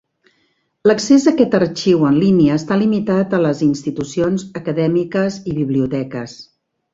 L'accés a aquest arxiu en línia està limitat a les institucions acadèmiques i biblioteques.